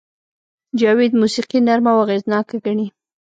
جاوید موسیقي نرمه او اغېزناکه ګڼي